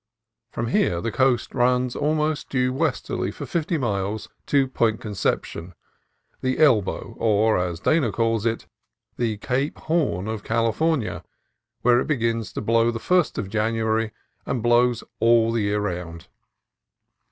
From here the coast runs almost due westerly for fifty miles to Point Conception, the elbow, or, as Dana calls it, "the Cape Horn of California, where it begins to blow the first of January, and blows all the year round."